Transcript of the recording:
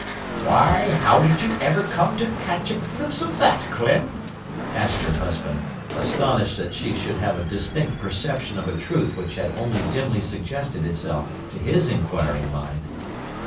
'Why, how did you ever come to catch a glimpse of that, Clem?' asked her husband: astonished that she should have a distinct perception of a truth which had only dimly suggested itself to his inquiring mind.